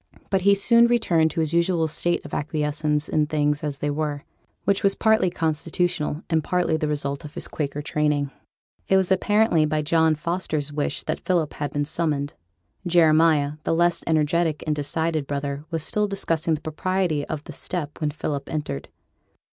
But he soon returned to his usual state of acquiescence in things as they were, which was partly constitutional, and partly the result of his Quaker training. It was apparently by John Foster's wish that Philip had been summoned. Jeremiah, the less energetic and decided brother, was still discussing the propriety of the step when Philip entered.